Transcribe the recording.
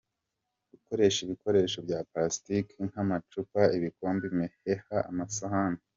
Gukoresha ibikoresho bya palasitiki nk’amacupa, ibikombe, imiheha, amasahani .